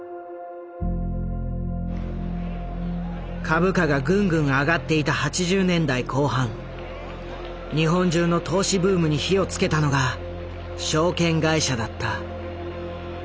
株価がぐんぐん上がっていた８０年代後半日本中の投資ブームに火を付けたのが証券会社だった。